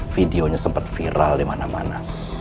videonya sempet viral dimana mana